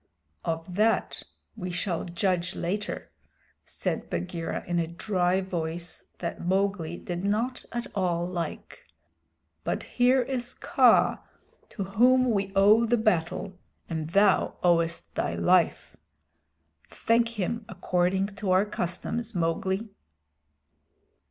"Of that we shall judge later," said Bagheera, in a dry voice that Mowgli did not at all like. "But here is Kaa to whom we owe the battle and thou owest thy life. Thank him according to our customs, Mowgli."